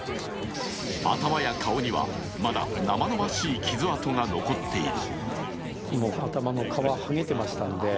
頭や顔には、まだ生々しい傷痕が残っている。